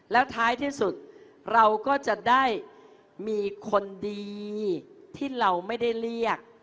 แล้วท้ายที่สุดเราก็จะได้มีคนดีที่เราไม่ได้เรียก